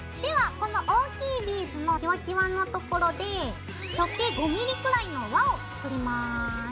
この大きいビーズのきわきわの所で直径５ｍｍくらいの輪を作ります。